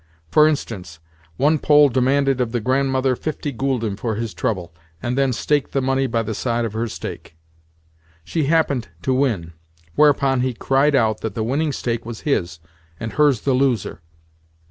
For instance, one Pole demanded of the Grandmother fifty gülden for his trouble, and then staked the money by the side of her stake. She happened to win; whereupon he cried out that the winning stake was his, and hers the loser.